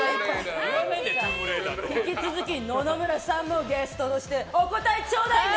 引き続き野々村さんもゲストとしてお答えちょうだいね！